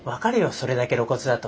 それだけ露骨だと。